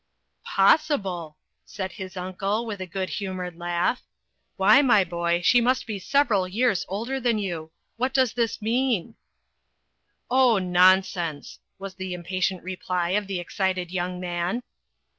" Possible !" said his uncle, with a good humored laugh. " Why, my boy, she must be several years older than you! What does this mean ?"" Oh, nonsense !" was the impatient reply of the excited young man.